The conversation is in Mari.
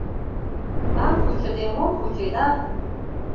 Таҥ кучыде мом кучена?